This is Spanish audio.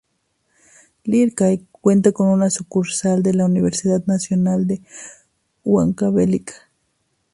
Lircay cuenta con una sucursal de la Universidad Nacional de Huancavelica.